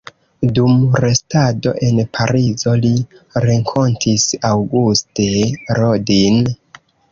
Dum restado en Parizo li renkontis Auguste Rodin.